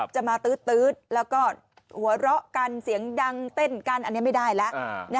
จะมาตื๊ดแล้วก็หัวเราะกันเสียงดังเต้นกันอันนี้ไม่ได้แล้ว